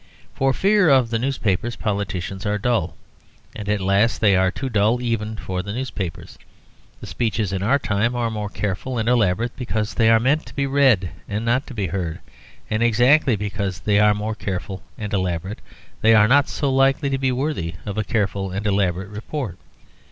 For fear of the newspapers politicians are dull, and at last they are too dull even for the newspapers. The speeches in our time are more careful and elaborate, because they are meant to be read, and not to be heard. And exactly because they are more careful and elaborate, they are not so likely to be worthy of a careful and elaborate report.